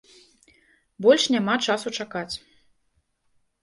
Больш няма часу чакаць.